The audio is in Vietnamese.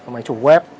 máy chủ web